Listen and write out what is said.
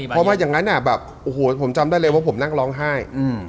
เพราะว่าอย่างนั้นแบบโอ้โหผมจำได้เลยว่าผมนั่งร้องไห้